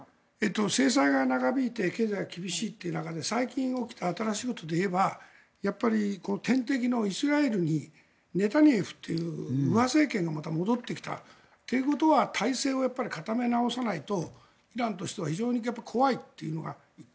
制裁が長引いて経済が厳しいという中で最近起きた新しいことでいえばやっぱり天敵のイスラエルにネタニエフという右派政権がまた戻ってきたということは体制を固め直さないとイランとしては非常に怖いというのが１点。